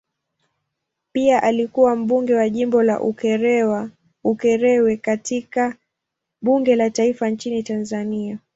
Pia alikuwa mbunge wa jimbo la Ukerewe katika bunge la taifa nchini Tanzania.